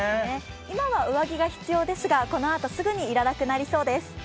今は上着が必要ですが、このあとすぐに要らなくなりそうです。